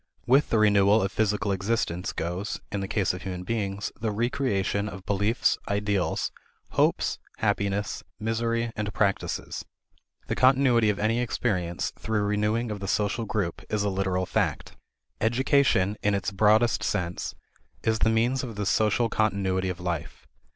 With the renewal of physical existence goes, in the case of human beings, the recreation of beliefs, ideals, hopes, happiness, misery, and practices. The continuity of any experience, through renewing of the social group, is a literal fact. Education, in its broadest sense, is the means of this social continuity of life.